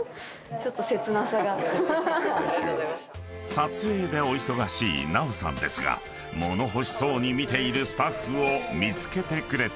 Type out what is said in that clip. ［撮影でお忙しい奈緒さんですが物欲しそうに見ているスタッフを見つけてくれて］